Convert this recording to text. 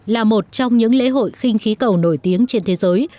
là một trong những lễ hội khinh khí cầu nổi tiếng trên thế giới